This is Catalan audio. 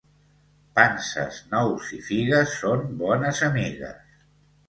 Panses, nous i figues són bones amigues.